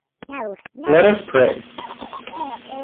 Priest: Let us pray.